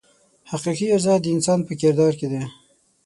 حقیقي ارزښت د انسان په کردار کې دی.